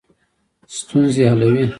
ستونزې حلوي.